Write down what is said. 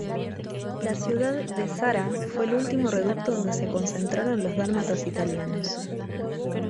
La ciudad de Zara fue el último reducto donde se concentraron los dálmatas italianos.